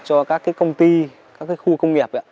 cho các công ty các khu công nghiệp